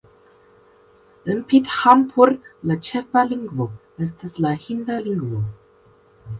En Pithampur la ĉefa lingvo estas la hindia lingvo.